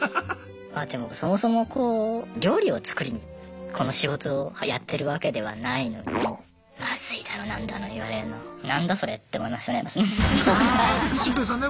まあでもそもそもこう料理を作りにこの仕事をやってるわけではないのにまずいだの何だの言われるのは「何だそれ」って思いましたね。